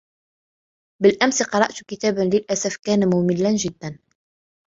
بالأمس قرأت كتاباً للأسف كان مُملاً جداً.